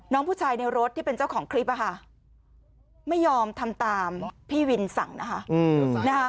น้องผู้ชายในรถที่เป็นเจ้าของคลิปไม่ยอมทำตามพี่วินสั่งนะคะ